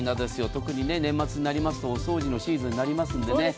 特に年末になるとお掃除のシーズンになりますので。